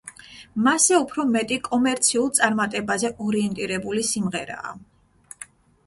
მასზე უფრო მეტი კომერციულ წარმატებაზე ორიენტირებული სიმღერაა.